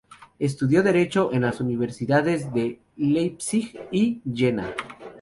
Estudió derecho en las universidades de Leipzig y Jena.